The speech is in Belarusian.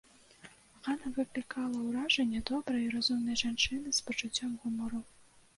Ганна выклікала ўражанне добрай і разумнай жанчыны з пачуццём гумару.